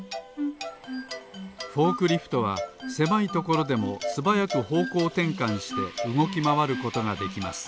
フォークリフトはせまいところでもすばやくほうこうてんかんしてうごきまわることができます